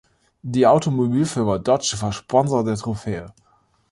Die Automobilfirma Dodge war Sponsor der Trophäe.